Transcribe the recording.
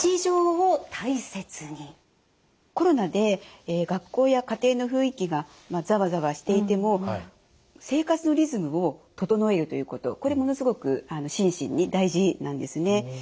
コロナで学校や家庭の雰囲気がざわざわしていても生活のリズムを整えるということこれものすごく心身に大事なんですね。